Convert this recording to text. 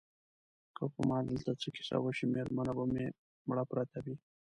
که په ما دلته څه کیسه وشي مېرمنه به مې مړه پرته وي.